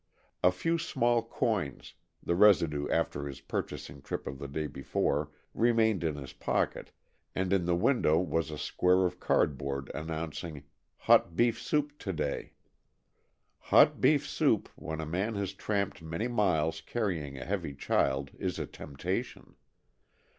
A few small coins the residue after his purchasing trip of the day before remained in his pocket, and in the window was a square of cardboard announcing "Hot Beef Soup To day." Hot beef soup, when a man has tramped many miles carrying a heavy child, is a temptation.